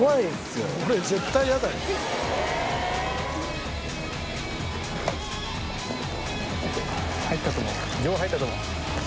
よう入ったと思う。